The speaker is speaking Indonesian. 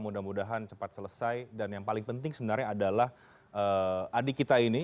mudah mudahan cepat selesai dan yang paling penting sebenarnya adalah adik kita ini